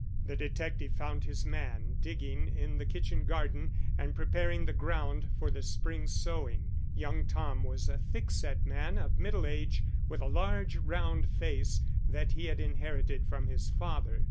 The detective found his man digging in the kitchen garden and preparing the ground for the spring sowing. Young Tom was a thickset man of middle age with a large round face that he had inherited from his father.